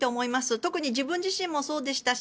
特に自分自身もそうでしたし